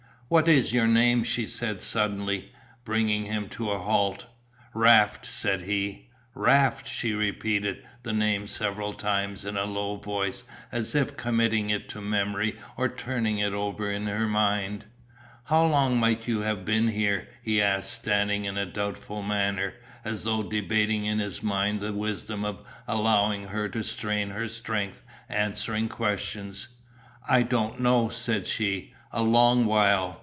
"What is your name?" she said, suddenly, bringing him to a halt. "Raft," said he. "Raft," she repeated the name several times in a low voice as if committing it to memory or turning it over in her mind. "How long might you have been here?" he asked, standing in a doubtful manner, as though debating in his mind the wisdom of allowing her to strain her strength answering questions. "I don't know," said she, "a long while.